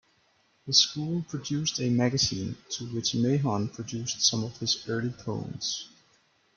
The school produced a magazine to which Mahon produced some of his early poems.